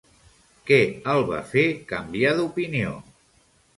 Què el va fer canviar d'opinió?